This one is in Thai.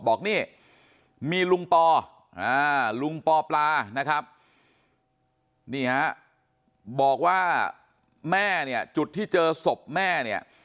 บอกนี่มีลุงปอลุงปอปลานะครับนี่ฮะบอกว่าแม่เนี่ยจุดที่เจอศพแม่เนี่ย